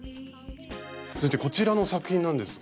続いてこちらの作品なんですが。